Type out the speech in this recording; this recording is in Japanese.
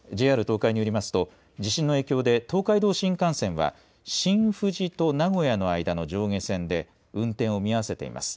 ＪＲ東海によりますと、地震の影響で、東海道新幹線は、新富士と名古屋の間の上下線で運転を見合わせています。